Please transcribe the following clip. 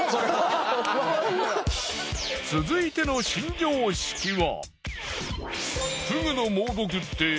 続いての新常識は。